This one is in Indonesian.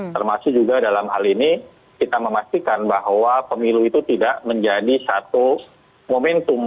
termasuk juga dalam hal ini kita memastikan bahwa pemilu itu tidak menjadi satu momentum